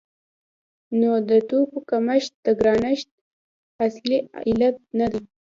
نو د توکو کمښت د ګرانښت اصلي علت نه دی.